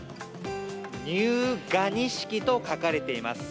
入ガニ式と書かれています。